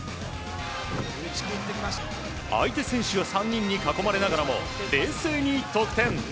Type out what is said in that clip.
相手選手３人に囲まれながらも冷静に得点。